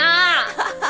ハハハ！